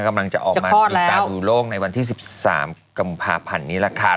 กำลังจะออกมาลืมตาดูโลกในวันที่๑๓กุมภาพันธ์นี้แหละค่ะ